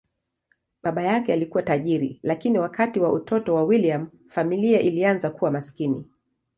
Baba yake alikuwa tajiri, lakini wakati wa utoto wa William, familia ilianza kuwa maskini.